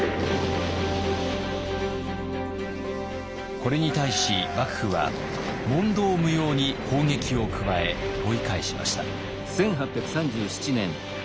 これに対し幕府は問答無用に砲撃を加え追い返しました。